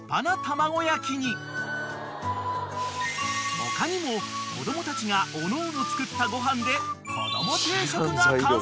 ［他にも子供たちがおのおの作ったご飯で子供定食が完成］